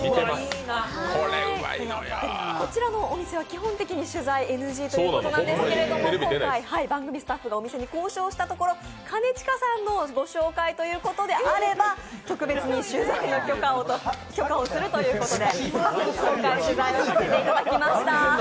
こちらのお店は基本的に取材ＮＧということなんですけども、今回、番組スタッフがお店に交渉したところ、兼近さんのご紹介ということであれば特別に取材の許可をするということで今回取材させていただきました。